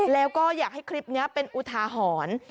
แล้วก็อยากให้คลิปนี้เป็นอุทาหรณ์